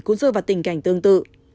cũng rơi vào tình cảnh tương tự